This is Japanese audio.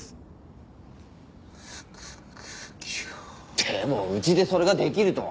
でもうちでそれができるとは。